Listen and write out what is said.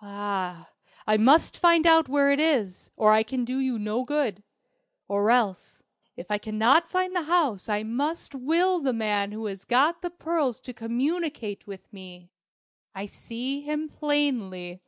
Ah, I must find out where it is, or I can do you no good. Or else if I cannot find the house I must will the man who has got the pearls to communicate with me. I see him plainly."